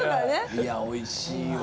いやおいしいわ。